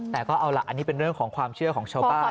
แต่ก็เอาล่ะอันนี้เป็นเรื่องของความเชื่อของชาวบ้าน